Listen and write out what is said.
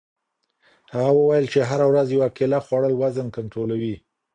هغه وویل چې هره ورځ یوه کیله خوړل وزن کنټرولوي.